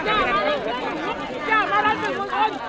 จางย่ามารันเป็นส่วนคน